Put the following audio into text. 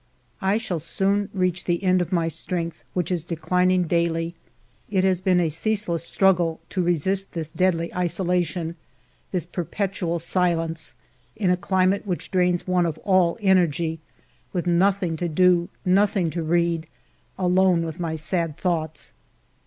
I shall soon reach the end of my strength, which is declining daily. It has been a ceaseless struggle to resist this deadly isolation, this per petual silence, in a climate which drains one of all energy, with nothing to do, nothing to read, alone with my sad thoughts.